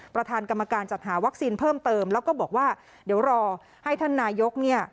ประธานกรรมการจัดหาวัคซีนเพิ่มเติมแล้วก็บอกว่าเดี๋ยวรอให้ท่านนายกเนี่ย